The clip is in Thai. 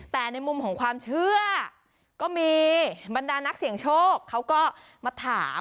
แต่ในมุมของความเชื่อก็มีบรรดานักเสี่ยงโชคเขาก็มาถาม